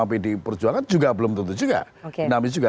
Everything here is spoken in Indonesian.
hasilkan koalisi bersama pdi perjuangan juga belum tentu juga